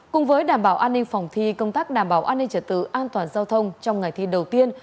cùng với đảm bảo an ninh phòng thi công tác đảm bảo an ninh trật tự an toàn giao thông trong ngày thi đầu tiên